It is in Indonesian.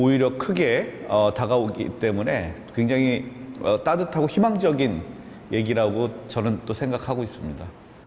ini adalah kisah yang sangat menyenangkan dan berharga